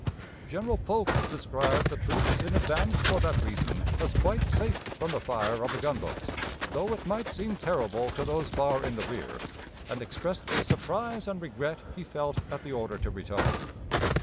General Polk described the troops in advance for that reason as quite safe from the fire of the gunboats, though it might seem terrible to those far in the rear, and expressed the surprise and regret he felt at the order to retire.